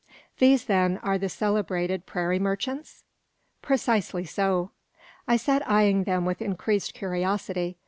"These, then, are the celebrated prairie merchants?" "Precisely so." I sat eyeing them with increased curiosity.